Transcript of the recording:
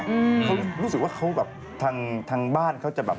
เขารู้สึกว่าเขาแบบทางทางบ้านเขาจะแบบ